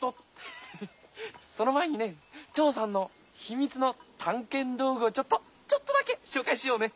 ヘヘッその前にねチョーさんのひみつのたんけんどうぐをちょっとちょっとだけしょうかいしようね。